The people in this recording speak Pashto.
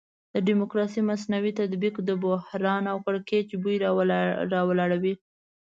د ډیموکراسي مصنوعي تطبیق د بحران او کړکېچ بوی راولاړوي.